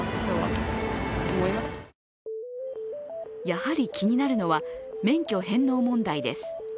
やはり気になるのは免許返納問題です。